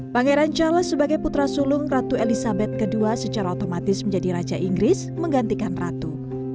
pangeran charles sebagai putra sulung ratu elizabeth ii secara otomatis menjadi raja inggris menggantikan ratu